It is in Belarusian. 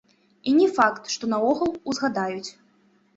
І не факт, што наогул узгадаюць.